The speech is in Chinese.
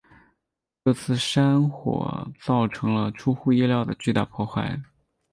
这次山火造成了出乎意料的巨大破坏。